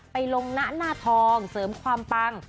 ลงหน้าหน้าทองเสริมความปัง